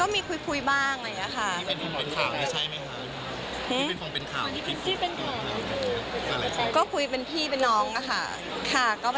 มีคุณรู้สึกว่าขี้ไม่ชอบ